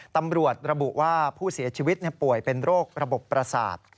ตำรวจระบุว่าผู้เสียชีวิตป่วยเป็นโรคระบบประสาท